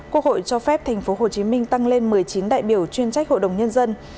quốc hội cho phép tp hcm tăng lên một mươi chín đại biểu chuyên trách hội đồng nhân dân